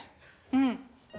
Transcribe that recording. うん。